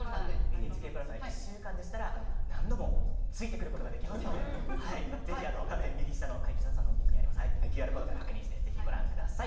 ＮＨＫプラスだったら１週間だったら何度でもついてくることができるので画面右下のＱＲコードから確認して、ぜひご覧ください。